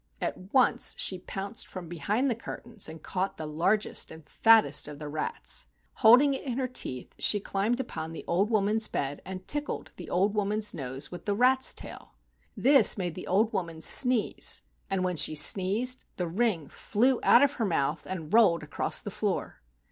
At once she pounced from behind the curtains and caught the largest and fattest of the rats. Holding it in her teeth she climbed upon the old woman's bed and tickled the old woman's nose with the rat's tail. This made the old woman sneeze, and when she sneezed, the ring flew out of her mouth and rolled across the floor.